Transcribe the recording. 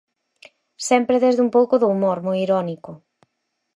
Sempre desde un pouco do humor, moi irónico.